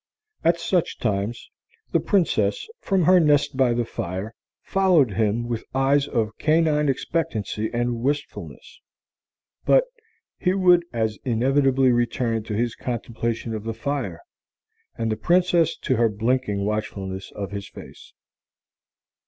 At such times the Princess from her nest by the fire followed him with eyes of canine expectancy and wistfulness. But he would as inevitably return to his contemplation of the fire, and the Princess to her blinking watchfulness of his face.